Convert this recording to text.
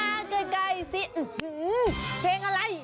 ขันมาไกลสิอื้อหือเพลงอะไร